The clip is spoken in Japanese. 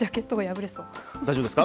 大丈夫ですか？